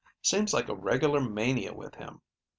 Seems like a regular mania with him.